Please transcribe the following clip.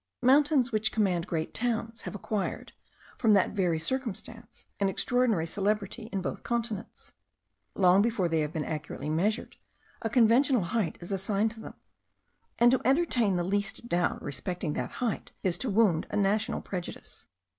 Mountains which command great towns, have acquired, from that very circumstance, an extraordinary celebrity in both continents. Long before they have been accurately measured, a conventional height is assigned to them; and to entertain the least doubt respecting that height is to wound a national prejudice.